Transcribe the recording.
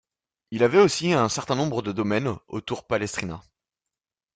Il avait aussi un certain nombre de domaines autour Palestrina.